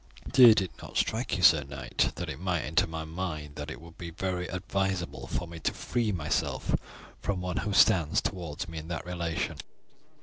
"Did it not strike you, sir knight, that it might enter my mind that it would be very advisable for me to free myself from one who stands towards me in that relation?"